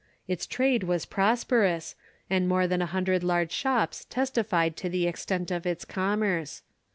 Its trade was prosperous, and more than a hundred large shops testified to the extent of its commerce.